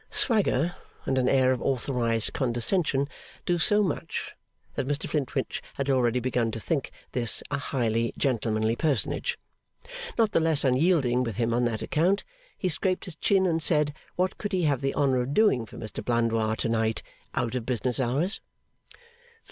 Swagger and an air of authorised condescension do so much, that Mr Flintwinch had already begun to think this a highly gentlemanly personage. Not the less unyielding with him on that account, he scraped his chin and said, what could he have the honour of doing for Mr Blandois to night, out of business hours?